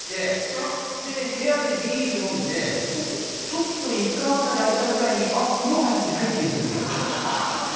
あら？で部屋でビール飲んでちょっと１缶あたり空いたぐらいに「あ風呂入ってない」って気付くんですよ。